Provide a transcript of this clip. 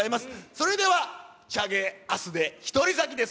それではチャゲアスでひとり咲きです。